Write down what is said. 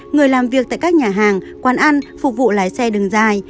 người làm việc tại các nhà hàng quán ăn phục vụ lái xe đường dài